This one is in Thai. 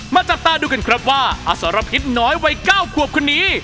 จับตาดูกันครับว่าอสรพิษน้อยวัย๙ขวบคนนี้